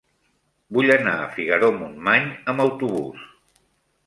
Vull anar a Figaró-Montmany amb autobús.